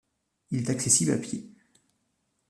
Il est accessible à pied.